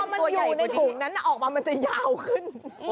มันอยู่ในถุงนั้นออกมามันจะยาวขึ้น